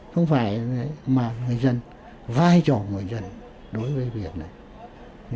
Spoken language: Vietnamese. không phải mà người dân vai trò người dân đối với việc này